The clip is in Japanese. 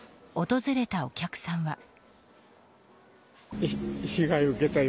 訪れたお客さんは。